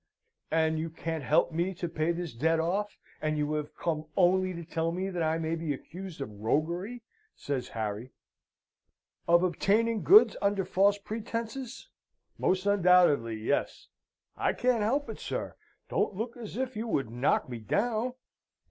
"And you can't help me to pay this debt off, and you have come only to tell me that I may be accused of roguery?" says Harry. "Of obtaining goods under false pretences? Most undoubtedly, yes. I can't help it, sir. Don't look as if you would knock me down.